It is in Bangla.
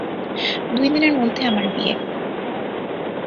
দুইদিনের মধ্যে আমার বিয়ে।